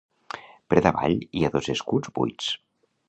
Per davall hi ha dos escuts buits.